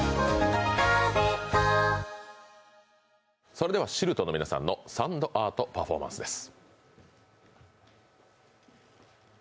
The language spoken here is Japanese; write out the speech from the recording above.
それではＳＩＬＴの皆さんのサンドアートパフォーマンスです。